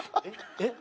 ・えっ？